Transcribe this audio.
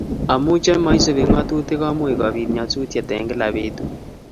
Amu che maisubi ngatutik komuch kobit nyasutiet eng kila betut